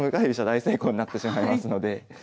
大成功になってしまいますので。